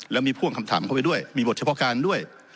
แล้วมีพ่วงคำถามเข้าไปด้วยมีบทเฉพาะการด้วย